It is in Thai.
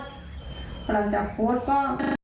หลังจากโพสต์ก็